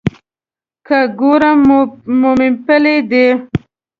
که ګورم مومپلي دي.